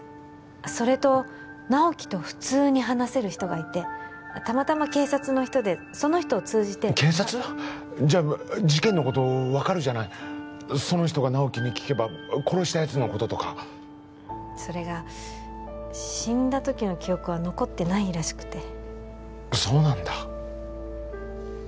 それと直木と普通に話せる人がいてたまたま警察の人でその人を通じて警察？じゃ事件のこと分かるじゃないその人が直木に聞けば殺したやつのこととかそれが死んだ時の記憶は残ってないらしくてそうなんだ